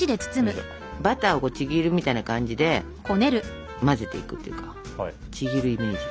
バターをちぎるみたいな感じで混ぜていくというかちぎるイメージで。